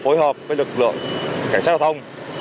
phối hợp với lực lượng cảnh sát giao thông